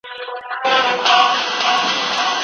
شېرشاه سوري يو افغان واکمن وو.